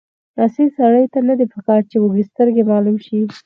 اصیل سړي ته نه دي پکار چې وږسترګی معلوم شي.